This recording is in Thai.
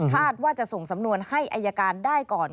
ว่าจะส่งสำนวนให้อายการได้ก่อน